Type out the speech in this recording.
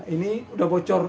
ini udah bocor